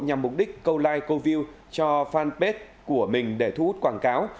nhằm mục đích câu like câu view cho fanpage của mình để thu hút quảng cáo